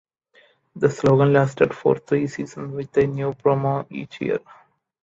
The slogan lasted for three seasons, with a new promo each year.